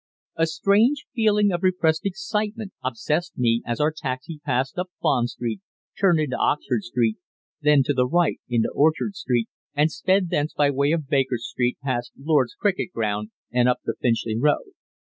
A strange feeling of repressed excitement obsessed me as our taxi passed up Bond Street, turned into Oxford Street, then to the right into Orchard Street, and sped thence by way of Baker Street past Lord's cricket ground and up the Finchley Road.